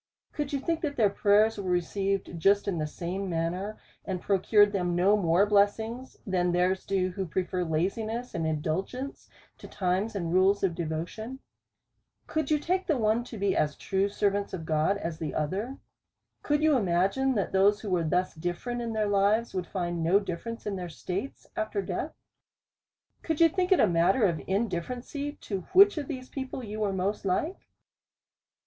Could you think, that their prayers were received just in the same manner, and pro cured them no more blessings, than theirs do, who prefer laziness and indulgence to times and rules of devotion ? Could you take the one to be as true servants of God, as the other? Could you imagine, that those who were thus different in their lives, would find no difference in their states after death? Could you think it a matter of indifference to which of these people you were most like